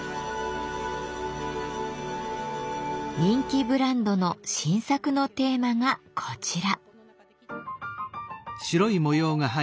人気ブランドの新作のテーマがこちら。